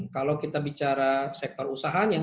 kalau kita bicara sektor usahanya